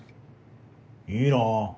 いいな。